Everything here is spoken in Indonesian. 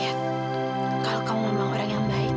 aku mau pergi